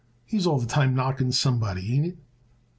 He's all the time knocking somebody. Ain't it?"